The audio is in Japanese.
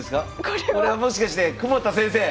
これはもしかして窪田先生！